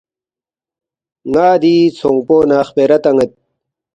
ن٘ا دِی ژھونگپو نہ خپیرا تان٘ید